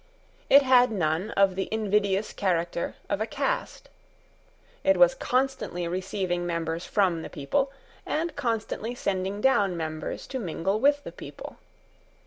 It had none of the invidious character of a caste. It was constantly receiving members from the people, and constantly sending down members to mingle with the people.